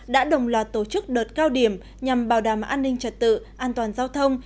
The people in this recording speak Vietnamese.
đã đồng loạt tổ chức đợt cao điểm nhằm bảo đảm an ninh trật tự an toàn giao thông